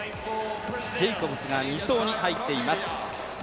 ジェイコブスが２走に入っています。